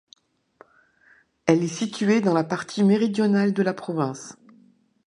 Elle est située dans la partie méridionale de la province.